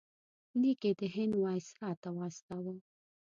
لیک یې د هند وایسرا ته واستاوه.